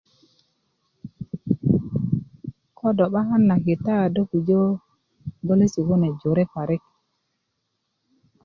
kodo 'bakan na kita do pujö goliyesi kune jöre parik